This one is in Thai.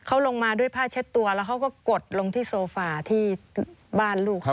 เขาลงมาด้วยผ้าเช็ดตัวแล้วเขาก็กดลงที่โซฟาที่บ้านลูกเขา